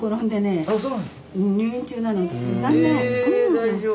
え大丈夫？